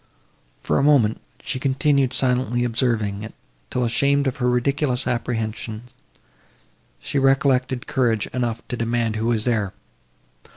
For a moment, she continued silently observing it, till, ashamed of her ridiculous apprehensions, she recollected courage enough to demand who was there.